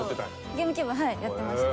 ゲームキューブやってました。